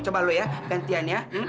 dasar lo lagi setelah matang